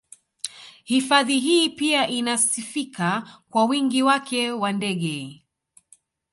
Hifadhi hii pia inasifika kwa wingi wake wa ndege